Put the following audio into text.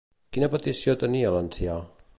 Quina petició tenia l'ancià?